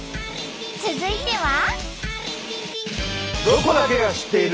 続いては。